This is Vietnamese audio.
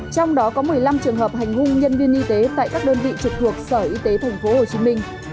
trong đó có một mươi năm trường hợp hành hung nhân viên y tế tại các đơn vị trực thuộc sở y tế tp hcm